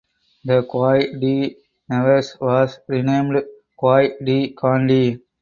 The Quai de Nevers was renamed Quai de Conti.